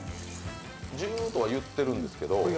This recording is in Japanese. ジューとはいってるんですけど。